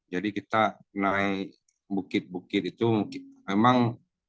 jadi kita naik bukit bukit itu memang